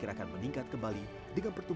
iya sehat selalu